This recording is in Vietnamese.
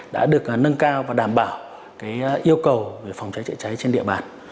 đã được nâng cao và đảm bảo yêu cầu về phòng cháy chữa cháy trên địa bàn